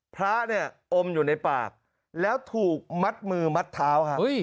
พระเนี่ยอมอยู่ในปากแล้วถูกมัดมือมัดเท้า